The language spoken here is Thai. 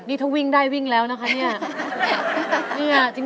นี่ถ้าวิ่งได้วิ่งแล้วนะคะเนี่ย